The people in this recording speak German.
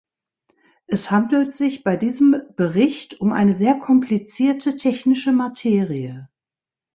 Es handelt sich bei diesem Bericht um eine sehr komplizierte technische Materie.